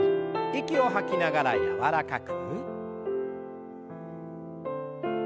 息を吐きながら柔らかく。